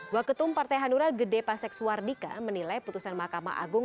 waketum partai hanura gede pasekswardika menilai putusan mahkamah agung